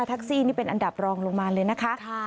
แท็กซี่นี่เป็นอันดับรองลงมาเลยนะคะ